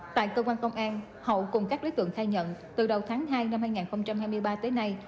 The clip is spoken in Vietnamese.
tại cơ quan công an hậu cùng các đối tượng khai nhận từ đầu tháng hai năm hai nghìn hai mươi ba tới nay